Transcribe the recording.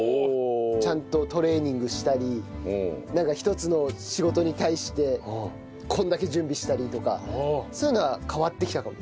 ちゃんとトレーニングしたりなんか一つの仕事に対してこんだけ準備したりとかそういうのは変わってきたかも。